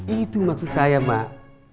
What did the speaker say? itu maksud saya mak